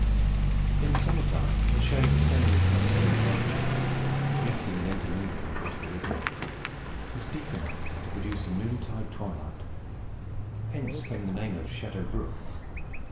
In the summer time, the shade of so many clustering branches, meeting and intermingling across the rivulet, was deep enough to produce a noontide twilight. Hence came the name of Shadow Brook.